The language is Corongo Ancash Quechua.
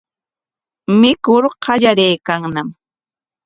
Mikur qallariykanñam.